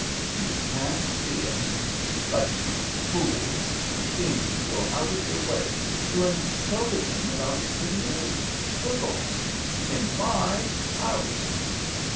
"You can't see it! But, you fool, you seemed to go out of your way. You insulted him about the merest quibble in my house!"